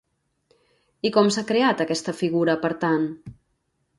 I com s'ha creat aquesta figura, per tant?